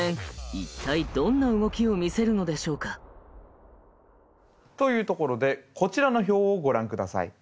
一体どんな動きを見せるのでしょうか？というところでこちらの表をご覧下さい。